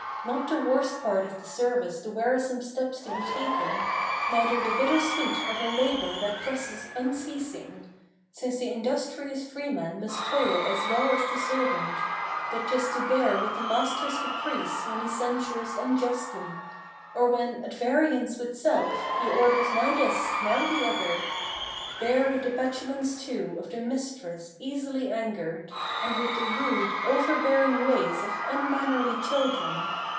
Not the worst part of the service the wearisome steps to be taken, Neither the bitter sweat of a labor that presses unceasing; Since the industrious freeman must toil as well as the servant. But 'tis to bear with the master's caprice when he censures unjustly, Or when, at variance with self, he orders now this, now the other; Bear with the petulance, too, of the mistress, easily angered, And with the rude, overbearing ways of unmannerly children.